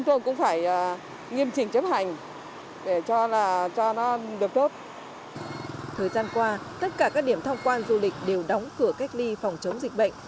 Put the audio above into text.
thời gian qua tất cả các điểm thăm quan du lịch đều đóng cửa cách ly phòng chống dịch bệnh